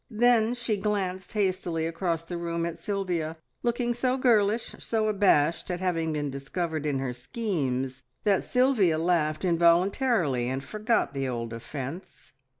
Then she glanced hastily across the room at Sylvia, looking so girlish, so abashed at having been discovered in her schemes, that Sylvia laughed involuntarily, and forgot the old offence.